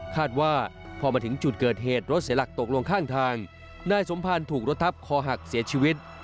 คาดว่าพอมาถึงจุดเกิดเหตุรถเสียหลักตกลงข้างทางนายสมพันธ์ถูกรถทับคอหักเสียชีวิต